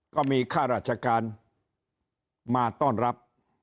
ก็มีค่าราชการมาต้อนรับ